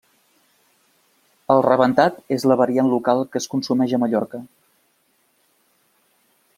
El rebentat és la variant local que es consumeix a Mallorca.